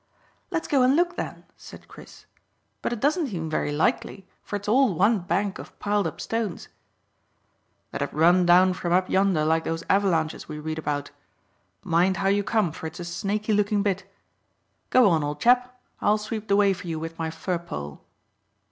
"Let's go and look, then," said Chris; "but it doesn't seem very likely, for it's all one bank of piled up stones." "That have run down from up yonder like those avalanches we read about. Mind how you come, for it's a snaky looking bit. Go on, old chap; I'll sweep the way for you with my fir pole."